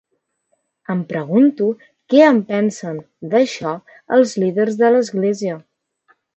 Em pregunto què en pensen, d'això, els líders de l'església.